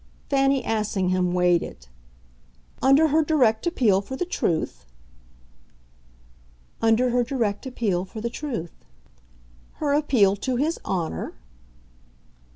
Fanny Assingham weighed it. "Under her direct appeal for the truth?" "Under her direct appeal for the truth." "Her appeal to his honour?"